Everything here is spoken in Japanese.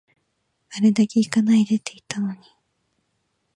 あれだけ行かないでって言ったのに